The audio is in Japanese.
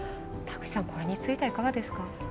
これについてはいかがですか。